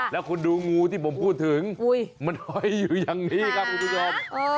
แล้วคุณดูงูที่ผมพูดถึงมันห้อยอยู่อย่างนี้ครับคุณผู้ชม